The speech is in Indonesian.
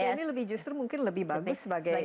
ya ini justru lebih bagus sebagai